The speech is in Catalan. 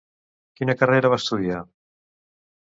Quina carrera va estudiar?